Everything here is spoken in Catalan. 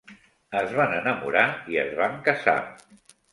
Es van enamorar i es van casar.